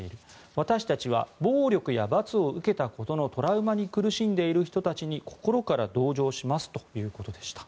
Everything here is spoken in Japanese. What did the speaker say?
私たちは暴力や罰を受けたことのトラウマに苦しんでいる人たちに心から同情しますということでした。